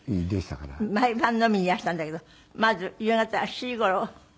毎晩飲みにいらしたんだけどまず夕方７時頃？